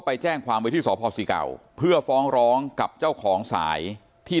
ไปแจ้งความไว้ที่สพศรีเก่าเพื่อฟ้องร้องกับเจ้าของสายที่